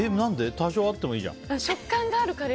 多少あってもいいじゃん。